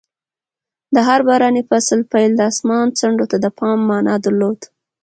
د هر باراني فصل پیل د اسمان ځنډو ته د پام مانا درلود.